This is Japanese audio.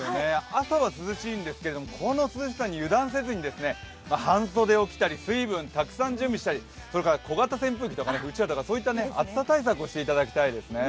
朝は涼しいんですけれども、この涼しさに油断せずに半袖を着たり、水分たくさん用意したり、それから小型扇風機とかうちわとか暑さ対策をしていただきたいですね。